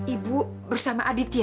ibu bersama aditya